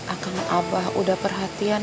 akan abah udah perhatian